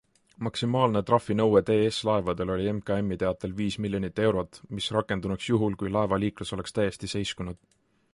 Maksimaalne trahvinõue TS Laevadele oli MKMi teatel viis miljonit eurot, mis rakendunuks juhul, kui laevaliiklus oleks täiesti seiskunud.